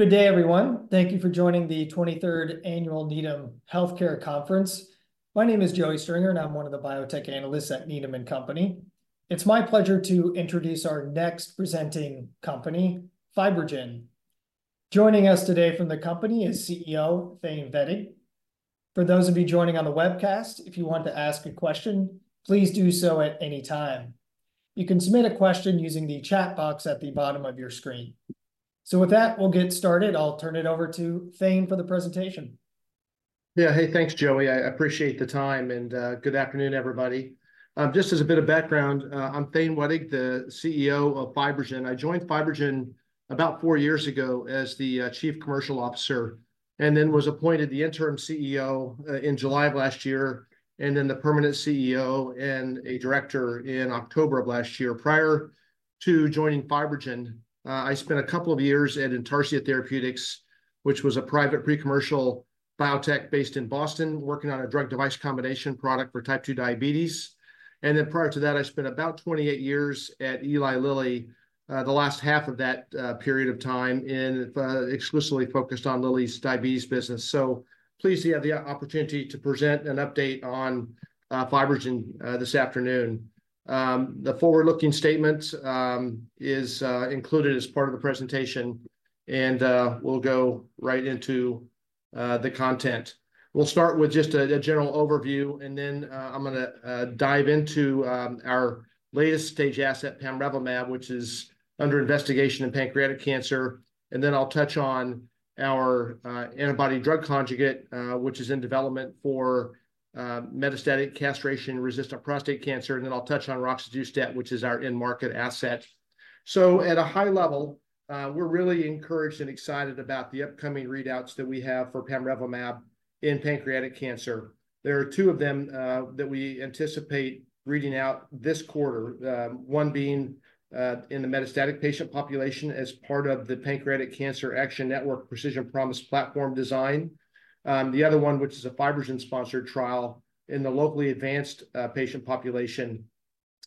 Good day, everyone. Thank you for joining the 23rd Annual Needham Healthcare Conference. My name is Joey Stringer, and I'm one of the Biotech Analysts at Needham & Company. It's my pleasure to introduce our next presenting company, FibroGen. Joining us today from the company is CEO Thane Wettig. For those of you joining on the webcast, if you want to ask a question, please do so at any time. You can submit a question using the chat box at the bottom of your screen. So with that, we'll get started. I'll turn it over to Thane for the presentation. Yeah. Hey, thanks, Joey. I appreciate the time, and, good afternoon, everybody. Just as a bit of background, I'm Thane Wettig, the CEO of FibroGen. I joined FibroGen about four years ago as the, Chief Commercial Officer, and then was appointed the interim CEO, in July of last year, and then the permanent CEO and a Director in October of last year. Prior to joining FibroGen, I spent a couple of years at Intarcia Therapeutics, which was a private pre-commercial biotech based in Boston, working on a drug device combination product for type 2 diabetes. And then prior to that, I spent about 28 years at Eli Lilly, the last half of that, period of time in, exclusively focused on Lilly's diabetes business. So pleased to have the opportunity to present an update on, FibroGen, this afternoon. The forward-looking statement is included as part of the presentation, and we'll go right into the content. We'll start with just a general overview, and then I'm gonna dive into our latest stage asset, pamrevlumab, which is under investigation in pancreatic cancer. And then I'll touch on our antibody drug conjugate, which is in development for metastatic castration-resistant prostate cancer. And then I'll touch on roxadustat, which is our in-market asset. So at a high level, we're really encouraged and excited about the upcoming readouts that we have for pamrevlumab in pancreatic cancer. There are two of them that we anticipate reading out this quarter, one being in the metastatic patient population as part of the Pancreatic Cancer Action Network Precision Promise platform design. The other one, which is a FibroGen-sponsored trial in the locally advanced patient population.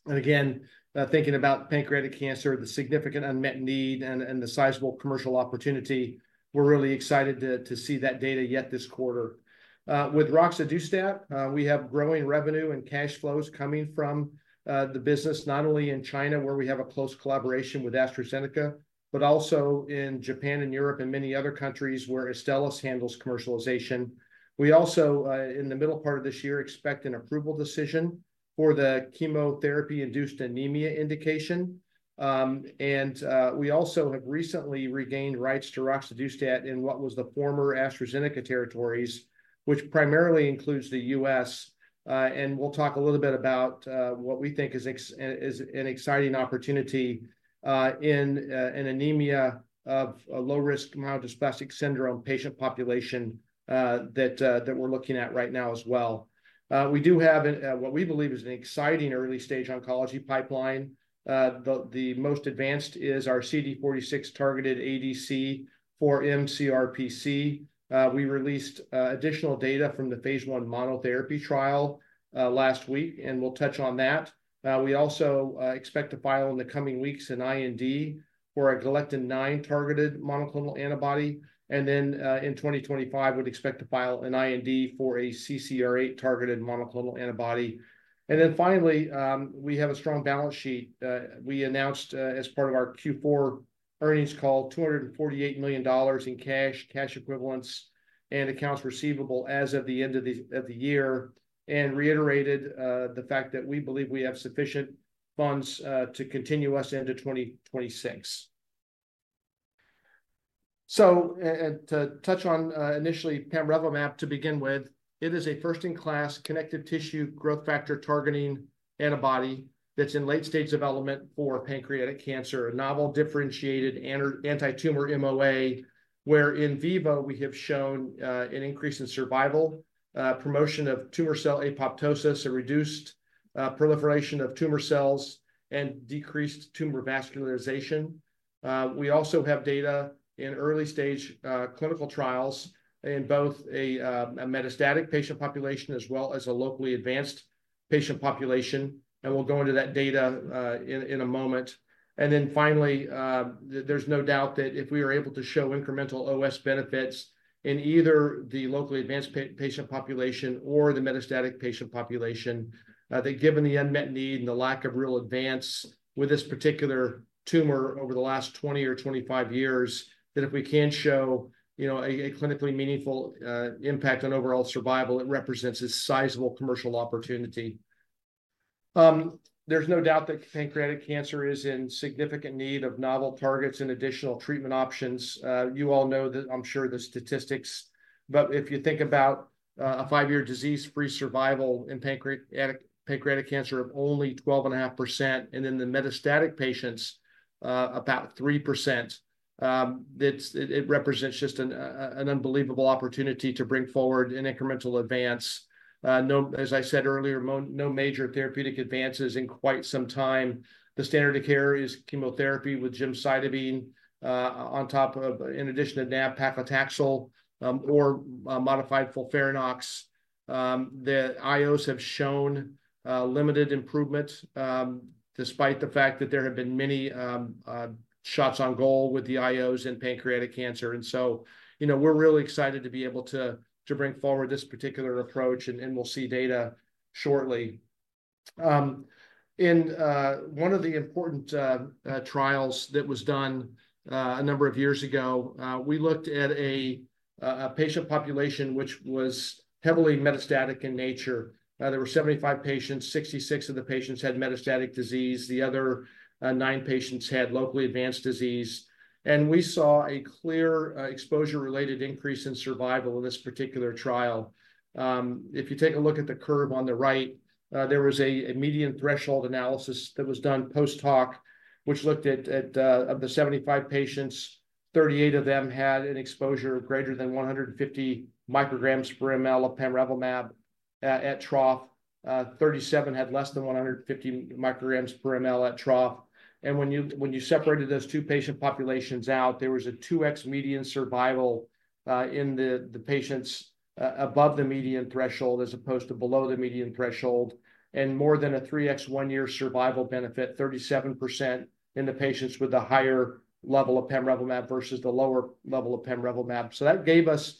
Again, thinking about pancreatic cancer, the significant unmet need and the sizable commercial opportunity, we're really excited to see that data yet this quarter. With roxadustat, we have growing revenue and cash flows coming from the business, not only in China, where we have a close collaboration with AstraZeneca, but also in Japan and Europe and many other countries where Astellas handles commercialization. We also, in the middle part of this year, expect an approval decision for the chemotherapy-induced anemia indication. And we also have recently regained rights to roxadustat in what was the former AstraZeneca territories, which primarily includes the U.S.. And we'll talk a little bit about what we think is an exciting opportunity in anemia of a low-risk myelodysplastic syndrome patient population that we're looking at right now as well. We do have what we believe is an exciting early-stage oncology pipeline. The most advanced is our CD46-targeted ADC for mCRPC. We released additional data from the phase I monotherapy trial last week, and we'll touch on that. We also expect to file in the coming weeks an IND for a Galectin-9 targeted monoclonal antibody, and then in 2025 would expect to file an IND for a CCR8 targeted monoclonal antibody. And then finally, we have a strong balance sheet. We announced, as part of our Q4 earnings call, $248 million in cash, cash equivalents, and accounts receivable as of the end of the year, and reiterated the fact that we believe we have sufficient funds to continue us into 2026. So, and to touch on initially, pamrevlumab to begin with, it is a first-in-class connective tissue growth factor targeting antibody that's in late-stage development for pancreatic cancer, a novel differentiated anti-tumor MOA, where in vivo we have shown an increase in survival, promotion of tumor cell apoptosis, a reduced proliferation of tumor cells, and decreased tumor vascularization. We also have data in early-stage clinical trials in both a metastatic patient population as well as a locally advanced patient population, and we'll go into that data in a moment. Then finally, there's no doubt that if we are able to show incremental OS benefits in either the locally advanced patient population or the metastatic patient population, that given the unmet need and the lack of real advance with this particular tumor over the last 20 or 25 years, that if we can show, you know, a clinically meaningful impact on overall survival, it represents a sizable commercial opportunity. There's no doubt that pancreatic cancer is in significant need of novel targets and additional treatment options. You all know the, I'm sure, the statistics, but if you think about a five-year disease-free survival in pancreatic cancer of only 12.5%, and in the metastatic patients, about 3%, it represents just an unbelievable opportunity to bring forward an incremental advance. No, as I said earlier, no major therapeutic advances in quite some time. The standard of care is chemotherapy with gemcitabine on top of, in addition to nab-paclitaxel, or modified FOLFIRINOX. The IOs have shown limited improvements, despite the fact that there have been many shots on goal with the IOs in pancreatic cancer. And so, you know, we're really excited to be able to bring forward this particular approach, and we'll see data shortly. In one of the important trials that was done a number of years ago, we looked at a patient population which was heavily metastatic in nature. There were 75 patients, 66 of the patients had metastatic disease. The other nine patients had locally advanced disease, and we saw a clear exposure-related increase in survival in this particular trial. If you take a look at the curve on the right, there was a median threshold analysis that was done post-hoc, which looked at of the 75 patients, 38 of them had an exposure of greater than 150 micrograms per ml of pamrevlumab at trough. 37 had less than 150 micrograms per ml at trough. When you separated those two patient populations out, there was a 2x median survival in the patients above the median threshold as opposed to below the median threshold, and more than a 3x one-year survival benefit, 37%, in the patients with the higher level of pamrevlumab versus the lower level of pamrevlumab. So that gave us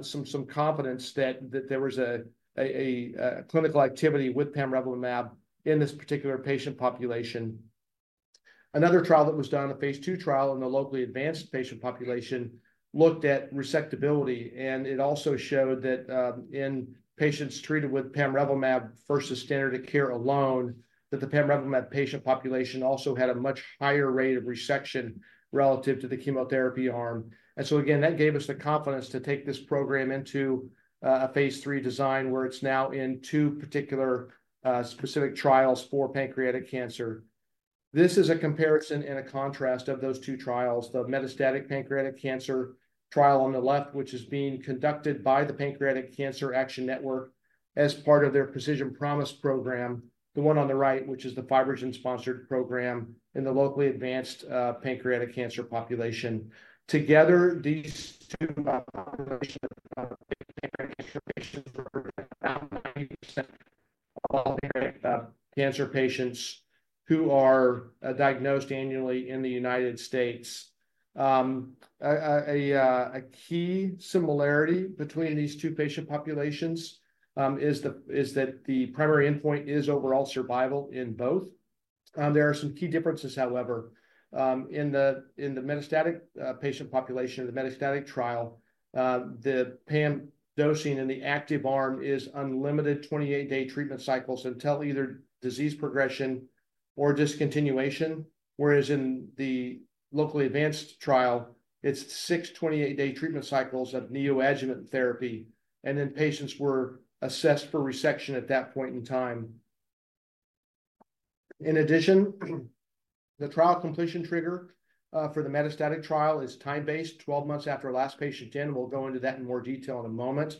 some confidence that there was a clinical activity with pamrevlumab in this particular patient population. Another trial that was done, a phase II trial in the locally advanced patient population, looked at resectability. It also showed that in patients treated with pamrevlumab versus standard of care alone, that the pamrevlumab patient population also had a much higher rate of resection relative to the chemotherapy arm. And so again, that gave us the confidence to take this program into a phase III design, where it's now in two particular specific trials for pancreatic cancer. This is a comparison and a contrast of those two trials. The metastatic pancreatic cancer trial on the left, which is being conducted by the Pancreatic Cancer Action Network as part of their Precision Promise program, the one on the right, which is the FibroGen-sponsored program in the locally advanced pancreatic cancer population. Together, these two populations of pancreatic cancer patients who are diagnosed annually in the United States. A key similarity between these two patient populations is that the primary endpoint is overall survival in both. There are some key differences, however. In the metastatic patient population, or the metastatic trial, the pam dosing in the active arm is unlimited 28-day treatment cycles until either disease progression or discontinuation, whereas in the locally advanced trial, it's six 28-day treatment cycles of neoadjuvant therapy, and then patients were assessed for resection at that point in time. In addition, the trial completion trigger for the metastatic trial is time-based, 12 months after our last patient in, we'll go into that in more detail in a moment,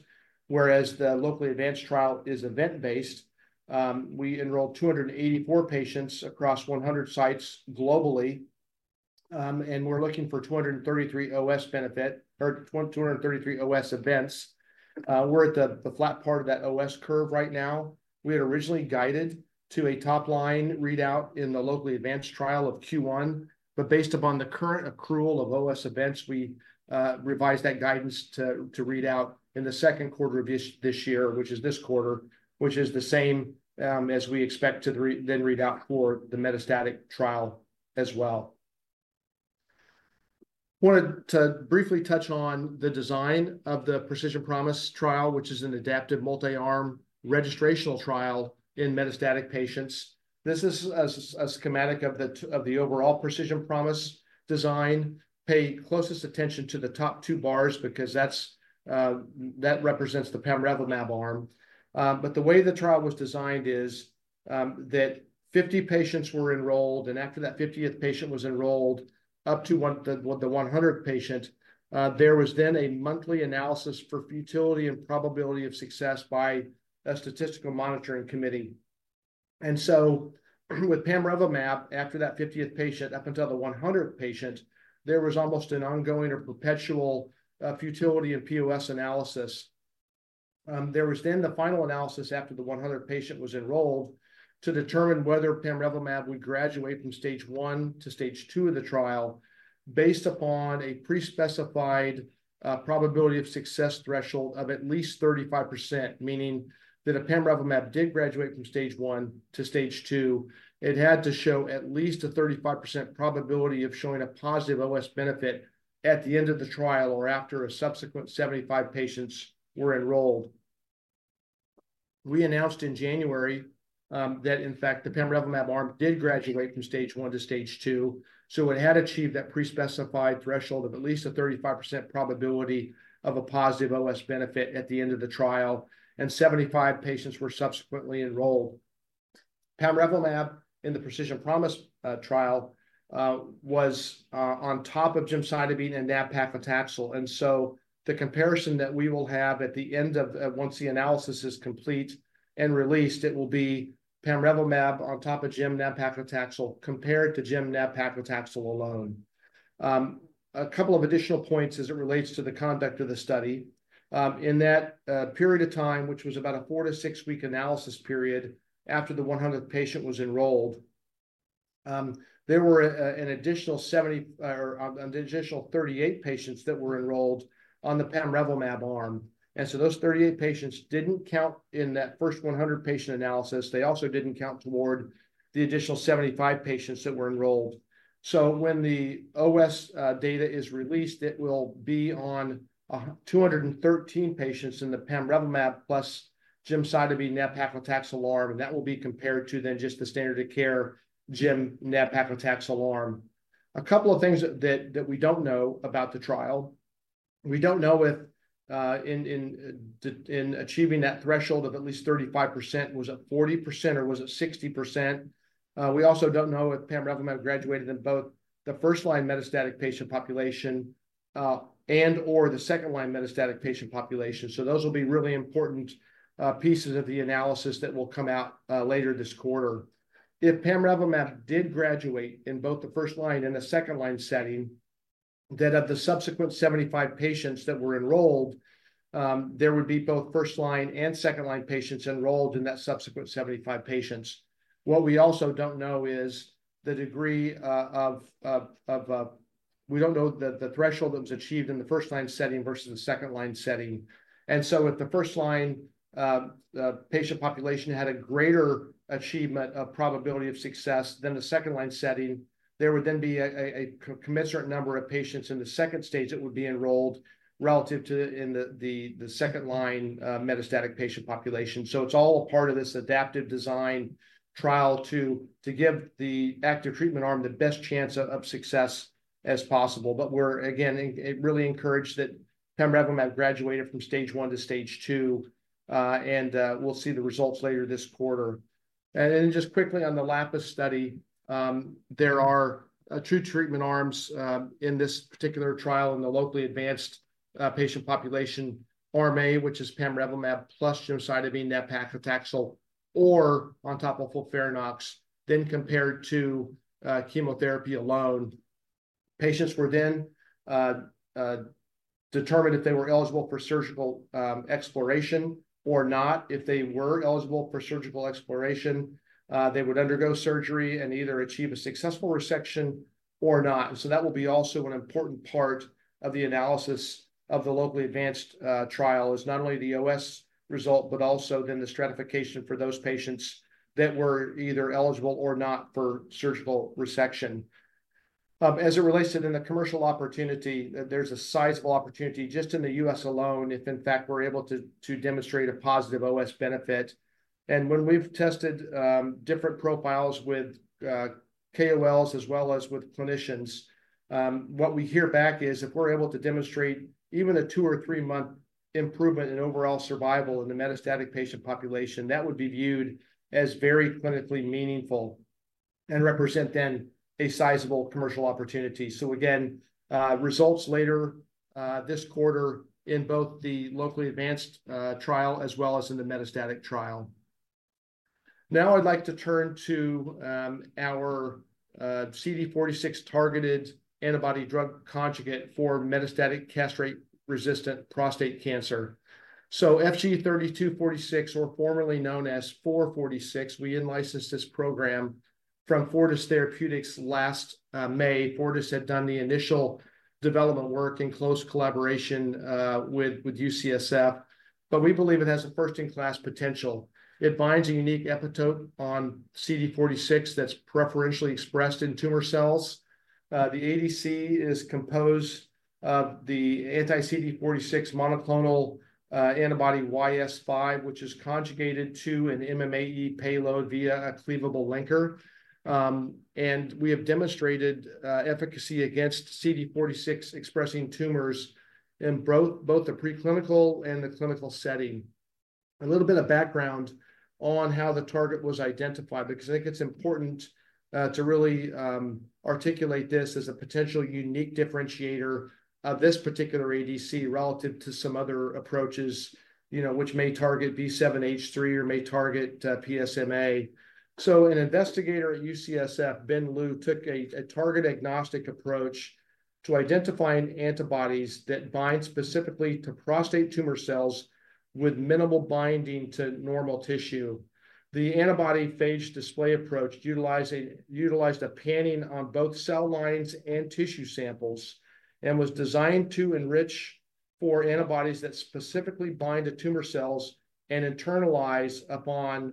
whereas the locally advanced trial is event-based. We enrolled 284 patients across 100 sites globally, and we're looking for 233 OS benefit or 233 OS events. We're at the flat part of that OS curve right now. We had originally guided to a top-line readout in the locally advanced trial of Q1, but based upon the current accrual of OS events, we revised that guidance to read out in the second quarter of this year, which is this quarter, which is the same as we expect to then read out for the metastatic trial as well. Wanted to briefly touch on the design of the Precision Promise trial, which is an adaptive multi-arm registrational trial in metastatic patients. This is a schematic of the overall Precision Promise design. Pay closest attention to the top two bars, because that represents the pamrevlumab arm. But the way the trial was designed is that 50 patients were enrolled, and after that 50th patient was enrolled, up to the 100th patient, there was then a monthly analysis for futility and probability of success by a statistical monitoring committee. And so with pamrevlumab, after that 50th patient up until the 100th patient, there was almost an ongoing or perpetual futility and POS analysis. There was then the final analysis after the 100th patient was enrolled to determine whether pamrevlumab would graduate from Stage 1 to Stage 2 of the trial, based upon a pre-specified, probability of success threshold of at least 35%, meaning that if pamrevlumab did graduate from Stage 1 to Stage 2, it had to show at least a 35% probability of showing a positive OS benefit at the end of the trial or after a subsequent 75 patients were enrolled. We announced in January, that in fact, the pamrevlumab arm did graduate from Stage 1 to Stage 2, so it had achieved that pre-specified threshold of at least a 35% probability of a positive OS benefit at the end of the trial, and 75 patients were subsequently enrolled. Pamrevlumab in the Precision Promise trial was on top of gemcitabine and nab-paclitaxel, and so the comparison that we will have at the end of, once the analysis is complete and released, it will be pamrevlumab on top of gem nab-paclitaxel compared to Gem nab-paclitaxel alone. A couple of additional points as it relates to the conduct of the study. In that period of time, which was about a 4-6-week analysis period after the 100th patient was enrolled, there were an additional 70, or an additional 38 patients that were enrolled on the pamrevlumab arm, and so those 38 patients didn't count in that first 100-patient analysis. They also didn't count toward the additional 75 patients that were enrolled. So when the OS data is released, it will be on 213 patients in the pamrevlumab plus Gemcitabine nab-paclitaxel arm, and that will be compared to then just the standard of care gem nab-paclitaxel arm. A couple of things that we don't know about the trial. We don't know if in achieving that threshold of at least 35%, was it 40% or was it 60%? We also don't know if pamrevlumab graduated in both the first-line metastatic patient population and/or the second-line metastatic patient population. So those will be really important pieces of the analysis that will come out later this quarter. If pamrevlumab did graduate in both the first-line and the second-line setting, then of the subsequent 75 patients that were enrolled, there would be both first-line and second-line patients enrolled in that subsequent 75 patients. What we also don't know is the degree of... We don't know the threshold that was achieved in the first-line setting versus the second-line setting. And so if the first-line patient population had a greater achievement of probability of success than the second-line setting, there would then be a commensurate number of patients in the second stage that would be enrolled relative to the second-line metastatic patient population. So it's all a part of this adaptive design trial to give the active treatment arm the best chance of success as possible. But we're again really encouraged that pamrevlumab graduated from Stage 1 to Stage 2, and we'll see the results later this quarter. Then just quickly on the LAPIS study, there are two treatment arms in this particular trial in the locally advanced patient population. Arm A, which is pamrevlumab plus Gemcitabine nab-paclitaxel or FOLFIRINOX, then compared to chemotherapy alone. Patients were then determined if they were eligible for surgical exploration or not. If they were eligible for surgical exploration, they would undergo surgery and either achieve a successful resection or not. So that will also be an important part of the analysis of the locally advanced trial, is not only the OS result, but also then the stratification for those patients that were either eligible or not for surgical resection. As it relates to then the commercial opportunity, there's a sizable opportunity just in the US alone, if in fact, we're able to demonstrate a positive OS benefit. And when we've tested different profiles with KOLs as well as with clinicians, what we hear back is if we're able to demonstrate even a two or three-month improvement in overall survival in the metastatic patient population, that would be viewed as very clinically meaningful and represent then a sizable commercial opportunity. So again, results later this quarter in both the locally advanced trial as well as in the metastatic trial. Now I'd like to turn to our CD46-targeted antibody-drug conjugate for metastatic castration-resistant prostate cancer. So FG-3246, or formerly known as 446, we in-licensed this program from Fortis Therapeutics last May. Fortis had done the initial development work in close collaboration with UCSF, but we believe it has a first-in-class potential. It binds a unique epitope on CD46 that's preferentially expressed in tumor cells. The ADC is composed of the anti-CD46 monoclonal antibody YS5, which is conjugated to an MMAE payload via a cleavable linker. We have demonstrated efficacy against CD46-expressing tumors in both the preclinical and the clinical setting. A little bit of background on how the target was identified, because I think it's important to really articulate this as a potential unique differentiator of this particular ADC relative to some other approaches, you know, which may target B7-H3 or may target PSMA. So an investigator at UCSF, Ben Liu, took a target-agnostic approach to identifying antibodies that bind specifically to prostate tumor cells with minimal binding to normal tissue. The antibody phage display approach utilized a panning on both cell lines and tissue samples and was designed to enrich for antibodies that specifically bind to tumor cells and internalize upon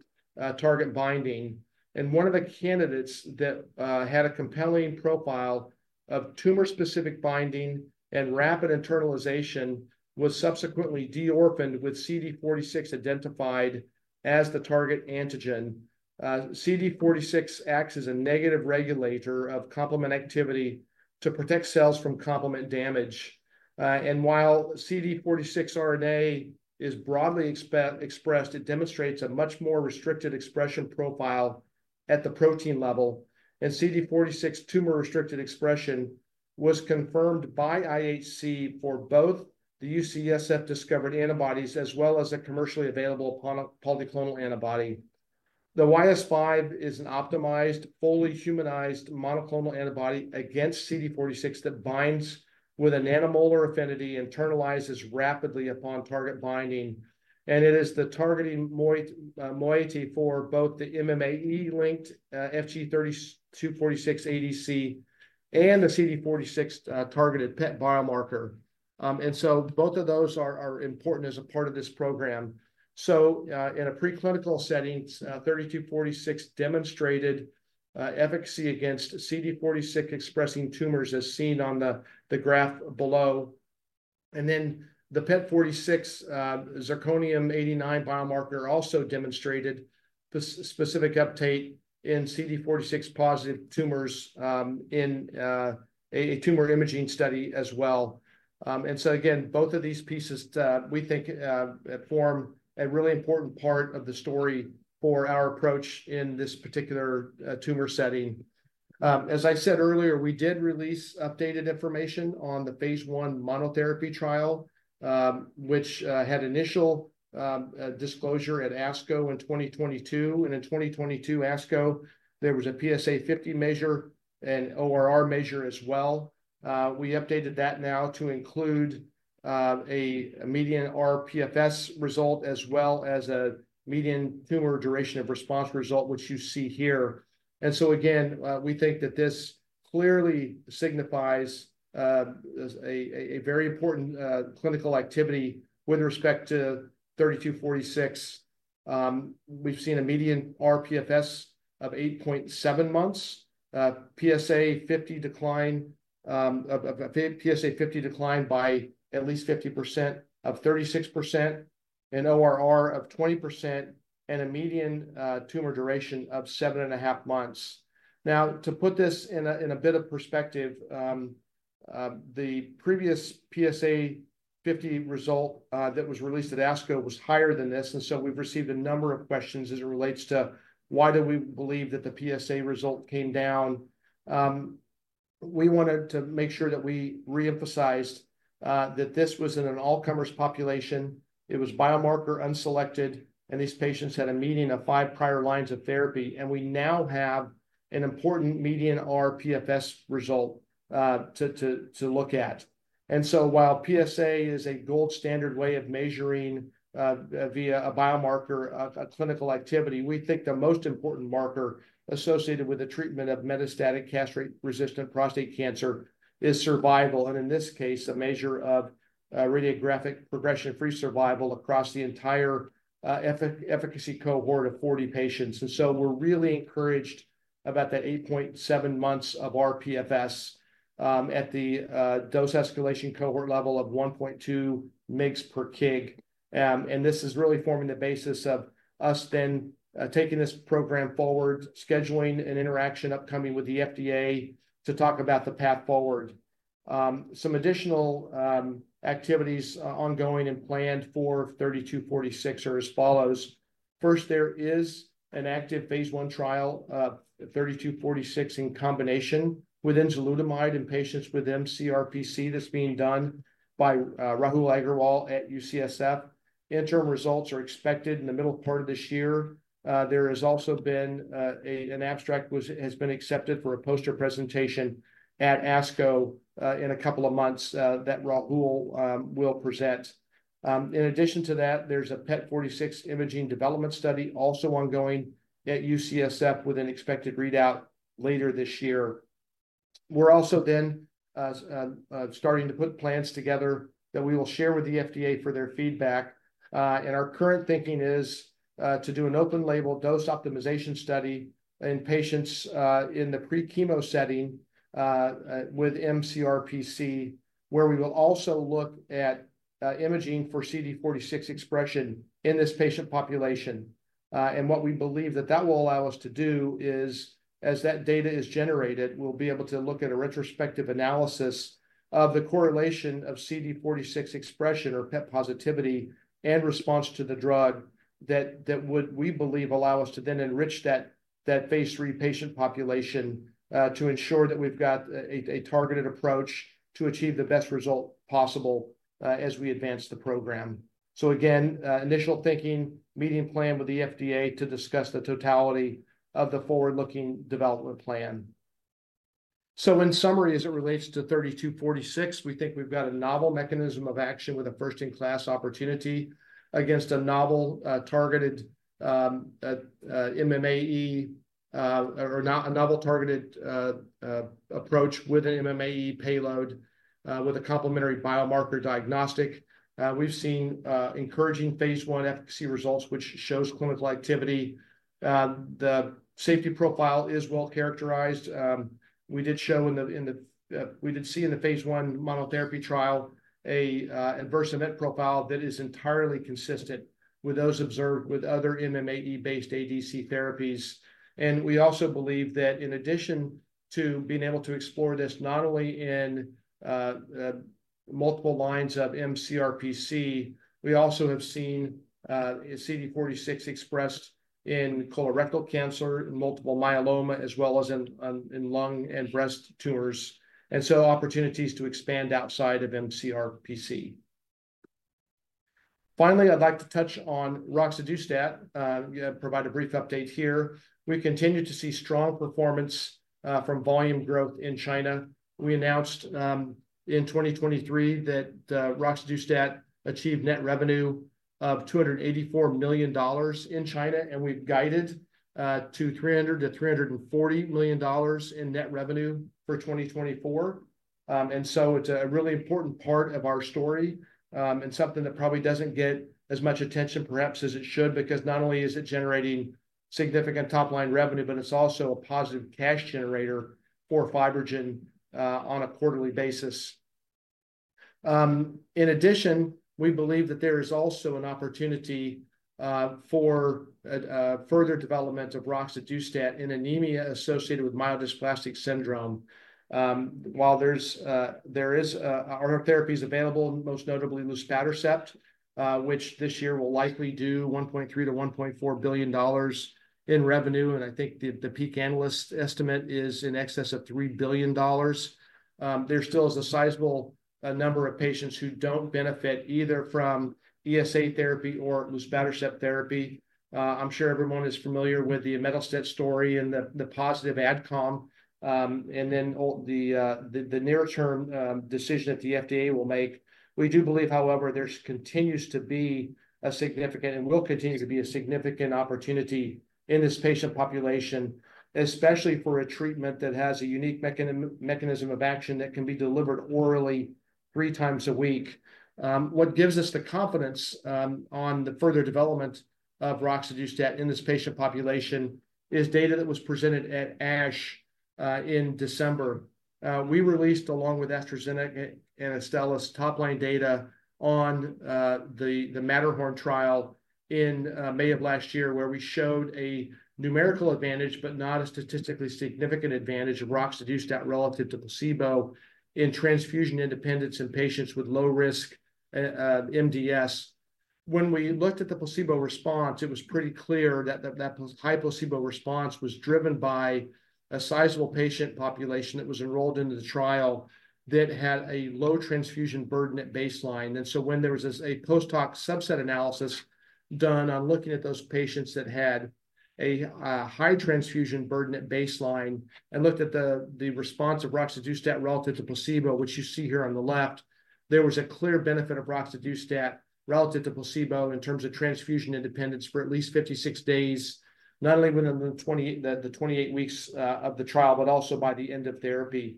target binding. One of the candidates that had a compelling profile of tumor-specific binding and rapid internalization was subsequently de-orphaned, with CD46 identified as the target antigen. CD46 acts as a negative regulator of complement activity to protect cells from complement damage. While CD46 RNA is broadly expressed, it demonstrates a much more restricted expression profile at the protein level. CD46 tumor-restricted expression was confirmed by IHC for both the UCSF-discovered antibodies as well as a commercially available polyclonal antibody. The YS5 is an optimized, fully humanized monoclonal antibody against CD46 that binds with a nanomolar affinity, internalizes rapidly upon target binding, and it is the targeting moiety for both the MMAE-linked FG-3246 ADC, and the CD46 targeted PET 46 biomarker. And so both of those are important as a part of this program. So, in a preclinical setting, FG-3246 demonstrated efficacy against CD46-expressing tumors, as seen on the graph below. And then the PET 46 zirconium-89 biomarker also demonstrated the specific uptake in CD46-positive tumors, in a tumor imaging study as well. So again, both of these pieces we think form a really important part of the story for our approach in this particular tumor setting. As I said earlier, we did release updated information on the phase I monotherapy trial, which had initial disclosure at ASCO in 2022. And in 2022 ASCO, there was a PSA50 measure and ORR measure as well. We updated that now to include a median RPFS result, as well as a median tumor duration of response result, which you see here. And so, again, we think that this clearly signifies as a very important clinical activity with respect to 3246. We've seen a median RPFS of 8.7 months, PSA50 decline of a PSA50 decline by at least 50% of 36%, an ORR of 20%, and a median tumor duration of 7.5 months. Now, to put this in a bit of perspective, the previous PSA50 result that was released at ASCO was higher than this. And so we've received a number of questions as it relates to why do we believe that the PSA result came down? We wanted to make sure that we re-emphasized that this was in an all-comers population, it was biomarker unselected, and these patients had a median of 5 prior lines of therapy. And we now have an important median RPFS result to look at. And so while PSA is a gold standard way of measuring, via a biomarker, a clinical activity, we think the most important marker associated with the treatment of metastatic castration-resistant prostate cancer is survival, and in this case, a measure of radiographic progression-free survival across the entire efficacy cohort of 40 patients. We're really encouraged about the 8.7 months of RPFS at the dose escalation cohort level of 1.2 mg per kg. This is really forming the basis of us then taking this program forward, scheduling an interaction upcoming with the FDA to talk about the path forward. Some additional activities ongoing and planned for FG-3246 are as follows: First, there is an active phase I trial, FG-3246, in combination with enzalutamide in patients with mCRPC that's being done by Rahul Aggarwal at UCSF. Interim results are expected in the middle part of this year. There has also been an abstract accepted for a poster presentation at ASCO in a couple of months that Rahul will present. In addition to that, there's a PET 46 imaging development study also ongoing at UCSF, with an expected readout later this year. We're also then starting to put plans together that we will share with the FDA for their feedback. and our current thinking is to do an open-label dose optimization study in patients in the pre-chemo setting with mCRPC, where we will also look at imaging for CD46 expression in this patient population. And what we believe that that will allow us to do is, as that data is generated, we'll be able to look at a retrospective analysis of the correlation of CD46 expression or PET positivity and response to the drug, that that would, we believe, allow us to then enrich that that phase III patient population to ensure that we've got a targeted approach to achieve the best result possible as we advance the program. So again, initial thinking, meeting planned with the FDA to discuss the totality of the forward-looking development plan. So in summary, as it relates to 3246, we think we've got a novel mechanism of action with a first-in-class opportunity against a novel targeted approach with an MMAE payload with a complementary biomarker diagnostic. We've seen encouraging phase I efficacy results, which shows clinical activity. The safety profile is well-characterized. We did see in the phase I monotherapy trial an adverse event profile that is entirely consistent with those observed with other MMAE-based ADC therapies. And we also believe that in addition to being able to explore this, not only in multiple lines of mCRPC, we also have seen CD46 expressed in colorectal cancer, in multiple myeloma, as well as in lung and breast tumors, and so opportunities to expand outside of mCRPC. Finally, I'd like to touch on roxadustat, provide a brief update here. We continue to see strong performance from volume growth in China. We announced in 2023 that roxadustat achieved net revenue of $284 million in China, and we've guided to $300 million-$340 million in net revenue for 2024. and so it's a really important part of our story, and something that probably doesn't get as much attention perhaps as it should, because not only is it generating significant top-line revenue, but it's also a positive cash generator for FibroGen on a quarterly basis. In addition, we believe that there is also an opportunity for a further development of roxadustat in anemia associated with myelodysplastic syndrome. While there is other therapies available, most notably luspatercept, which this year will likely do $1.3 billion-$1.4 billion in revenue, and I think the peak analyst estimate is in excess of $3 billion. There still is a sizable number of patients who don't benefit either from ESA therapy or luspatercept therapy. I'm sure everyone is familiar with the imetelstat story and the positive AdCom, and then the near-term decision that the FDA will make. We do believe, however, there's continues to be a significant and will continue to be a significant opportunity in this patient population, especially for a treatment that has a unique mechanism of action that can be delivered orally three times a week. What gives us the confidence on the further development of roxadustat in this patient population is data that was presented at ASH in December. We released, along with AstraZeneca and Astellas, top-line data on the Matterhorn trial in May of last year, where we showed a numerical advantage but not a statistically significant advantage of roxadustat relative to placebo in transfusion independence in patients with low-risk MDS. When we looked at the placebo response, it was pretty clear that the high placebo response was driven by a sizable patient population that was enrolled into the trial that had a low transfusion burden at baseline. So when there was a post-hoc subset analysis done on looking at those patients that had a high transfusion burden at baseline and looked at the response of roxadustat relative to placebo, which you see here on the left, there was a clear benefit of roxadustat relative to placebo in terms of transfusion independence for at least 56 days, not only within the 28 weeks of the trial, but also by the end of therapy.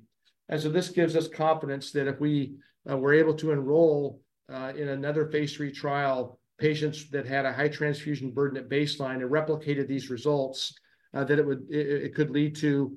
So this gives us confidence that if we were able to enroll in another Phase III trial patients that had a high transfusion burden at baseline and replicated these results, that it would, it could lead to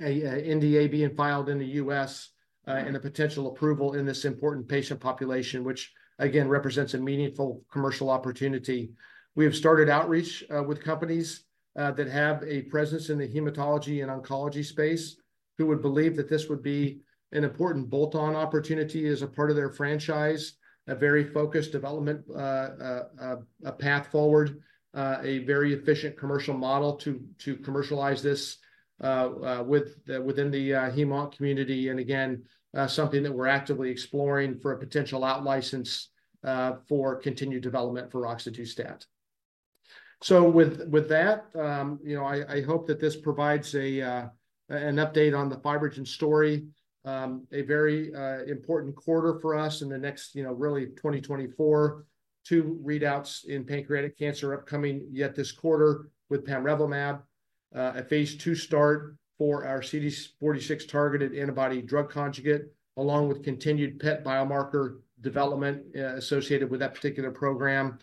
a NDA being filed in the U.S., and a potential approval in this important patient population, which, again, represents a meaningful commercial opportunity. We have started outreach with companies that have a presence in the hematology and oncology space, who would believe that this would be an important bolt-on opportunity as a part of their franchise, a very focused development, a path forward, a very efficient commercial model to commercialize this, within the hemo community, and again, something that we're actively exploring for a potential out-license for continued development for roxadustat. So with that, you know, I hope that this provides an update on the FibroGen story. A very important quarter for us in the next, you know, really 2024. Two readouts in pancreatic cancer upcoming yet this quarter with pamrevlumab, a phase II start for our CD46-targeted antibody-drug conjugate, along with continued PET biomarker development, associated with that particular program,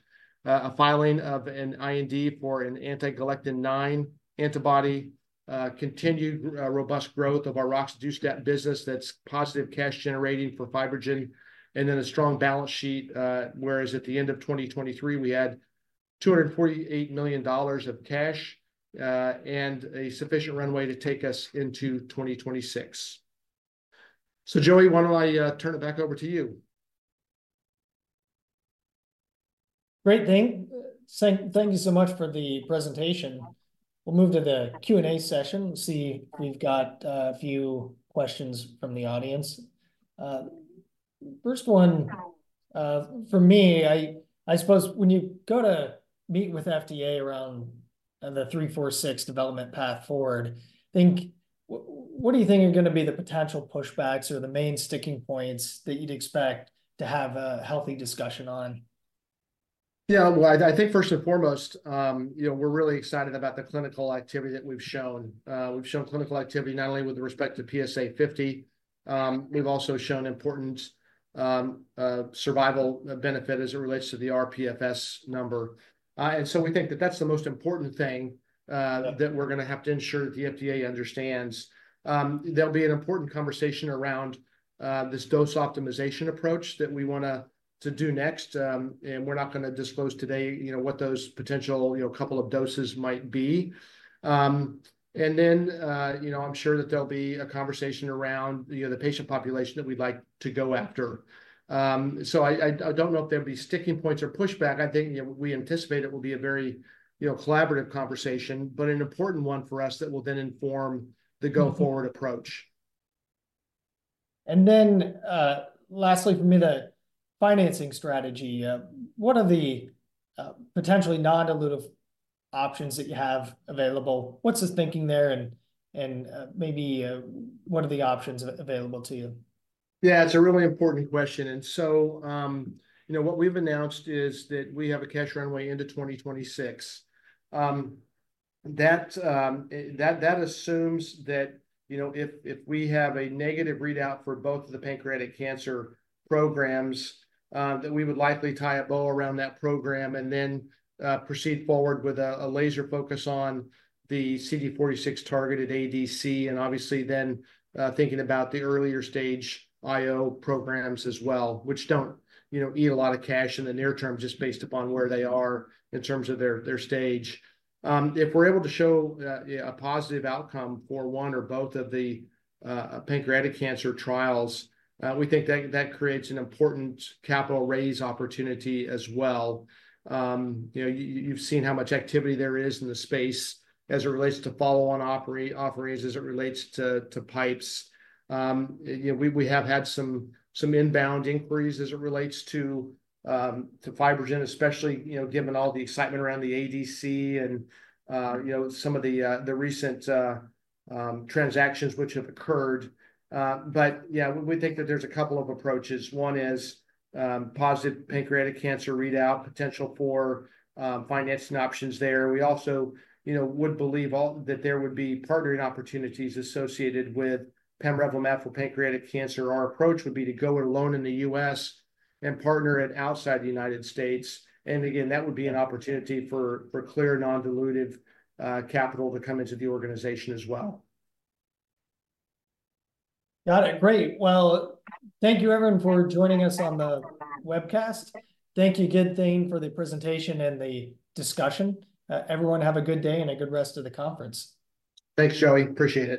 a filing of an IND for an anti-galectin-9 antibody, continued, robust growth of our roxadustat business that's positive cash-generating for FibroGen, and then a strong balance sheet, whereas at the end of 2023, we had $248 million of cash, and a sufficient runway to take us into 2026. So Joey, why don't I, turn it back over to you? Great, Thane. Thank you so much for the presentation. We'll move to the Q&A session. We see we've got a few questions from the audience. First one, for me, I suppose when you go to meet with FDA around the 346 development path forward, what do you think are gonna be the potential pushbacks or the main sticking points that you'd expect to have a healthy discussion on? Yeah, well, I think first and foremost, you know, we're really excited about the clinical activity that we've shown. We've shown clinical activity not only with respect to PSA50, we've also shown important survival benefit as it relates to the RPFS number. And so we think that that's the most important thing that we're gonna have to ensure that the FDA understands. There'll be an important conversation around this dose optimization approach that we want to do next, and we're not gonna disclose today, you know, what those potential, you know, couple of doses might be. And then, you know, I'm sure that there'll be a conversation around, you know, the patient population that we'd like to go after. So I don't know if there'd be sticking points or pushback. I think, you know, we anticipate it will be a very, you know, collaborative conversation, but an important one for us that will then inform the go-forward approach. And then, lastly for me, the financing strategy. What are the potentially non-dilutive options that you have available? What's the thinking there, and maybe what are the options available to you? Yeah, it's a really important question, and so, you know, what we've announced is that we have a cash runway into 2026. That assumes that, you know, if we have a negative readout for both of the pancreatic cancer programs, that we would likely tie a bow around that program, and then proceed forward with a laser focus on the CD46-targeted ADC, and obviously then thinking about the earlier stage IO programs as well, which don't, you know, need a lot of cash in the near term, just based upon where they are in terms of their stage. If we're able to show a positive outcome for one or both of the pancreatic cancer trials, we think that creates an important capital raise opportunity as well. You know, you, you've seen how much activity there is in the space as it relates to follow-on offerings, as it relates to PIPEs. You know, we, we have had some, some inbound inquiries as it relates to FibroGen, especially, you know, given all the excitement around the ADC and, you know, some of the, the recent transactions which have occurred. But yeah, we, we think that there's a couple of approaches. One is positive pancreatic cancer readout, potential for financing options there. We also, you know, would believe that there would be partnering opportunities associated with pamrevlumab for pancreatic cancer. Our approach would be to go it alone in the U.S. and partner it outside the United States, and again, that would be an opportunity for clear, non-dilutive capital to come into the organization as well. Got it. Great! Well, thank you, everyone, for joining us on the webcast. Thank you, Thane Wettig, for the presentation and the discussion. Everyone, have a good day and a good rest of the conference. Thanks, Joey. Appreciate it.